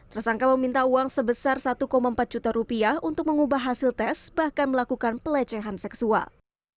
tersangka meminta uang sebesar satu empat juta rupiah untuk mengubah hasil tes bahkan melakukan pelecehan seksual